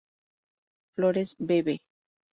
Flores, Bv.